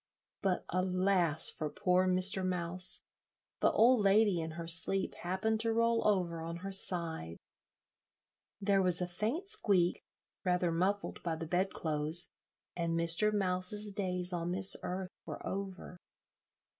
But alas for poor Mr. Mouse! The old lady in her sleep happened to roll over on her side: there was a faint squeak, rather muffled by the bedclothes, and Mr. Mouse's days on this earth were over.